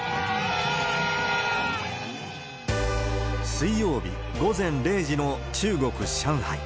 水曜日午前０時の中国・上海。